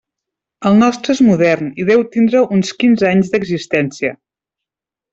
El nostre és modern i deu tindre uns quinze anys d'existència.